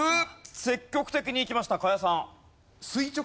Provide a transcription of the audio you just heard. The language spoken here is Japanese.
積極的にいきました賀屋さん。